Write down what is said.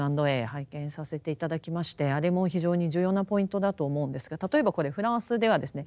拝見させて頂きましてあれも非常に重要なポイントだと思うんですが例えばこれフランスではですね